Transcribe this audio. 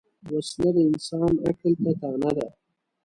وسله د انسان عقل ته طعنه ده